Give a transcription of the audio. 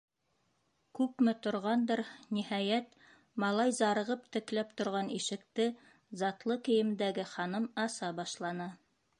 Күпме торғандыр, ниһайәт, малай зарығып текләп торған ишекте затлы кейемдәге ханым аса башланы.